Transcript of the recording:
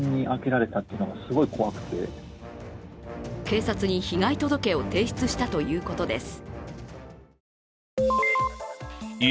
警察に被害届を提出したということです。